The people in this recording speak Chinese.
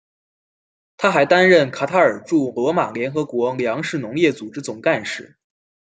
他还担任卡塔尔驻罗马联合国粮食农业组织总干事。